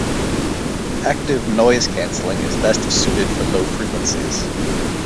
Active noise canceling is best suited for low frequencies.